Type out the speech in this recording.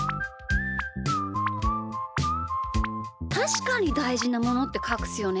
たしかにだいじなものってかくすよね。